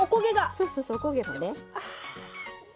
そうそうそうお焦げがね。